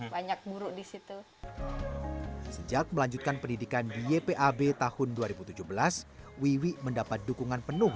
banyak muruk di situ sejak melanjutkan pendidikan di ypab tahun dua ribu tujuh belas wiwi mendapat dukungan penuh